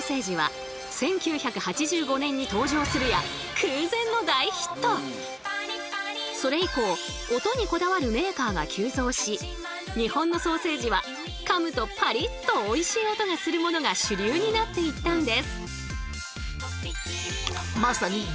このようにそれ以降音にこだわるメーカーが急増し日本のソーセージはかむとパリッとおいしい音がするものが主流になっていったんです。